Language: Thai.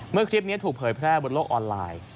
คลิปนี้ถูกเผยแพร่บนโลกออนไลน์